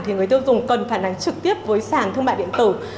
thì người tiêu dùng cần phản ánh trực tiếp với sản thương mại điện tử